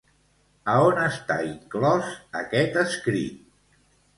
A on està inclòs aquest escrit?